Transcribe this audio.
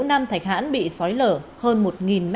nam thạch hãn bị xói lở hơn một m hai